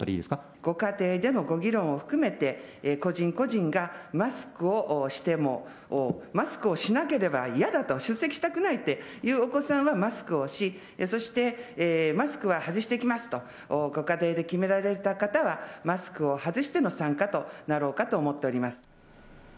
ご家庭のご議論を含めて、個人個人がマスクをしても、しなければ嫌だと、出席したくないっていうお子さんはマスクをし、そしてマスクは外して行きますとご家庭で決められた方は、マスクを外しての参加となろうかと思っております。